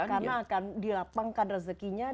karena akan dilapangkan rezekinya